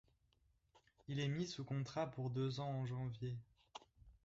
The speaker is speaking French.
Il est mis sous contrat pour deux ans en janvier.